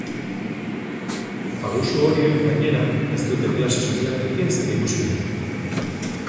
Abusu horiek gainera, ez dute klase sozialekin zerikusirik.